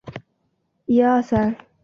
早期先后有范源濂被任命校长。